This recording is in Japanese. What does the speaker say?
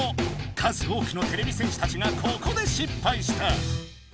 数多くのてれび戦士たちがここで失敗した。